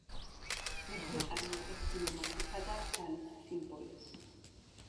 ვეფხვი წარმოადგენს სიმამაცისა და ძალის სიმბოლოს.